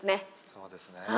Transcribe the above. そうですね。